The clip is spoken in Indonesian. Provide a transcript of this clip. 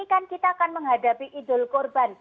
ini kan kita akan menghadapi idul korban